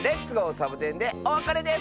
サボテン」でおわかれです！